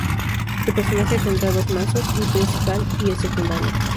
Tu personaje tendrá dos mazos, el principal y el secundario.